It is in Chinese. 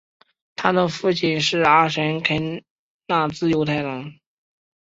他的父亲是阿什肯纳兹犹太人。